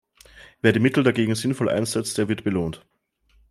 Wer die Mittel dagegen sinnvoll einsetzt, der wird belohnt.